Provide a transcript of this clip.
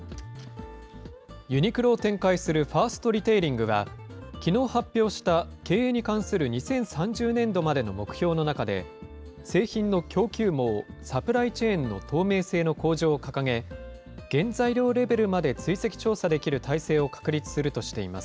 ユニクロを展開するファーストリテイリングは、きのう発表した経営に関する２０３０年度までの目標の中で、製品の供給網・サプライチェーンの透明性の向上を掲げ、原材料レベルまで追跡調査できる体制を確立するとしています。